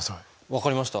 分かりました。